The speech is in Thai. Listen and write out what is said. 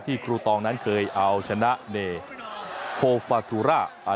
ที่ครูต้องนั้นเคยเอาชนะเน่โคฟาทูระ